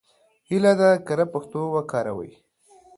هیله ده کره پښتو وکاروئ.